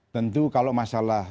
tentu kalau masalah